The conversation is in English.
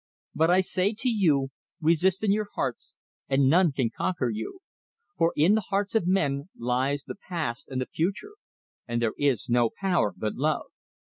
But I say to you, resist in your hearts, and none can conquer you, for in the hearts of men lies the past and the future, and there is no power but love.